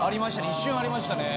一瞬ありましたね。